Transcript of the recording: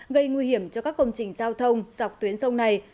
gây nguy hiểm cho các công trình giao thông dọc tuyến sông này